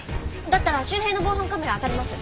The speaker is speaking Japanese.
だったら周辺の防犯カメラあたります。